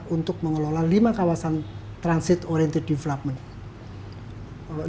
untuk mengelola lima kawasan transit oriented development